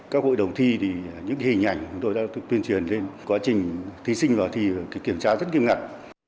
các hội đồng thi thì những hình ảnh chúng tôi đã tuyên truyền lên quá trình thí sinh vào thì kiểm tra rất nghiêm ngặt